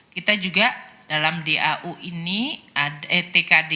kita juga dalam tkd ini ada bantuan operasi sekolah bos